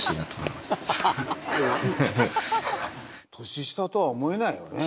年下とは思えないよね。